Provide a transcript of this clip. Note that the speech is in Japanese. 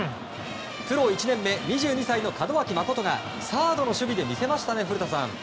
プロ１年目、２２歳の門脇誠がサードの守備で見せましたね古田さん。